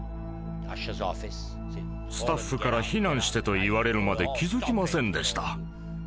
スタッフから避難してと言われるまで気付きませんでした。